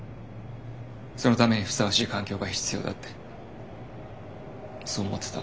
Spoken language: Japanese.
そのためにふさわしい環境が必要だってそう思ってた。